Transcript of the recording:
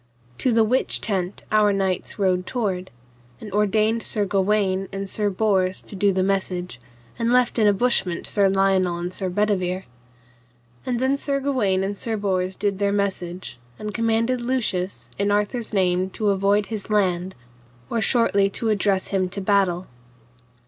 To the which tent our knights rode toward, and ordained Sir Gawaine and Sir Bors to do the message, and left in a bushment Sir Lionel and Sir Bedivere. And then Sir Gawaine and Sir Bors did their message, and commanded Lucius, in Arthur's name to avoid his land, or shortly to address him to battle.